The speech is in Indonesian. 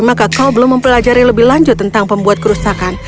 maka kau belum mempelajari lebih lanjut tentang pembuat kerusakan